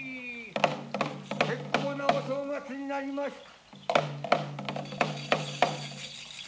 結構なお正月になりました。